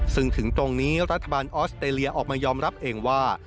ซึ่งถึงตรงนี้รัฐบาลออสเตรเลียออกมายอมรับเองว่า